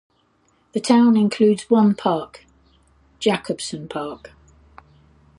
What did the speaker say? The town includes one park, Jacobson Park.